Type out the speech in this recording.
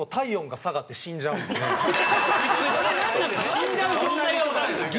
死んじゃう状態がわからない。